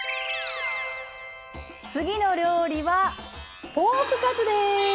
次の料理はポークカツです！